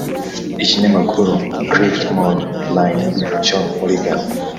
Ikinyamakuru citifmonline cyo muri Ghana